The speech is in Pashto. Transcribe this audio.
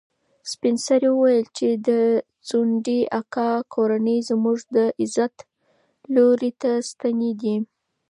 سپین سرې وویل چې د ځونډي اکا کورنۍ زموږ د عزت لوړې ستنې دي.